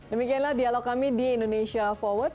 demikianlah dialog kami di indonesia forward